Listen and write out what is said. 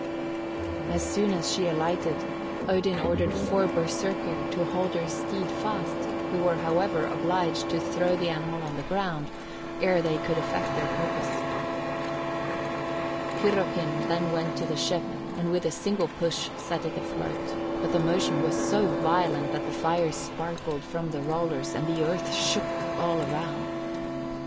As soon as she alighted, Odin ordered four Berserkir to hold her steed fast, who were, however, obliged to throw the animal on the ground ere they could effect their purpose. Hyrrokin then went to the ship, and with a single push set it afloat, but the motion was so violent that the fire sparkled from the rollers, and the earth shook all around.